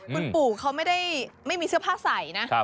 คุณปู่เขาไม่ได้ไม่มีเสื้อผ้าใส่นะ